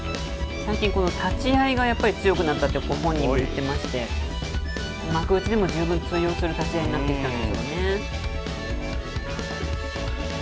最近、この立ち合いがやっぱり強くなったって、ご本人も言ってまして、幕内でも十分通用する立ち合いになっているんですよね。